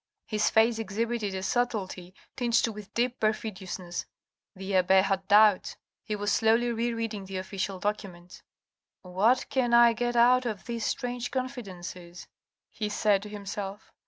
His face exhibited a subtlety tinged with deep perfidiousness, the abbe had doubts, he was slowly re reading the official documents. " What can I get out of these strange confidences ?" he said to himself.